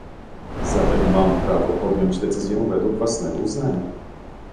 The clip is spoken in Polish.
Zatem mam prawo podjąć decyzję według własnego uznania